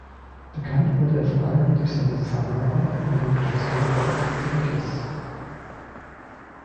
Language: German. Bekannt wurde er vor allem durch seine Zusammenarbeit mit dem Regisseur Robert Zemeckis.